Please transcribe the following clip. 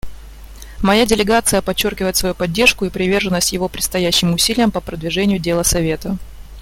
Моя делегация подчеркивает свою поддержку и приверженность его предстоящим усилиям по продвижению дела Совета.